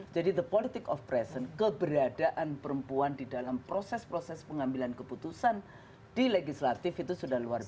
jadi the politics of presence keberadaan perempuan di dalam proses proses pengambilan keputusan di legislatif itu sudah luar biasa